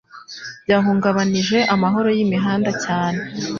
byahungabanije amahoro yimihanda cyane